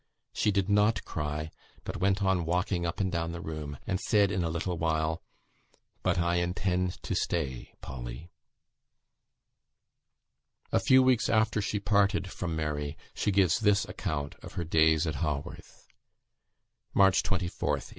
She did not cry, but went on walking up and down the room, and said in a little while, 'But I intend to stay, Polly.'" A few weeks after she parted from Mary, she gives this account of her days at Haworth. "March 24th, 1845.